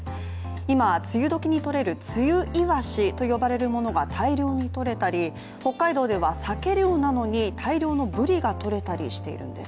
今、梅雨時にとれる梅雨イワシといわれるものが大量にとれたり、北海道ではサケ漁なのに大量のブリがとれたりしているんです。